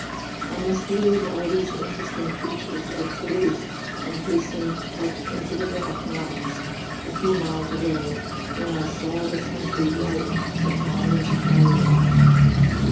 I must leave all these interesting features of Toulouse and hasten up into the Black Mountains, a few miles away, where I saw the country life of modern Languedoc.